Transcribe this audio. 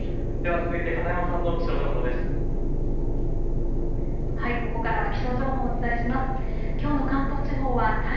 続いて片山さんの気象情報です。